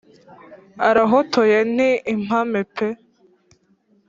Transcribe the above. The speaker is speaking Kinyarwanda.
arahotoye ni impame pe